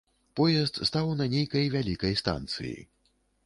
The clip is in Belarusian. Поезд стаў на нейкай вялікай станцыі.